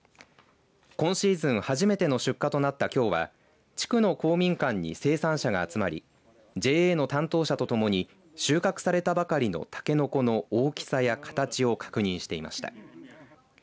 今シーズン初めての出荷となったきょうは地区の公民館に生産者が集まりＪＡの担当者とともに収穫されたばかりのたけのこの大きさや形を確認していました。